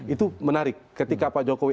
itu menarik ketika pak jokowi